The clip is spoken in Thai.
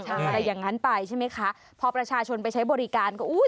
อะไรอย่างนั้นไปใช่ไหมคะพอประชาชนไปใช้บริการก็อุ้ย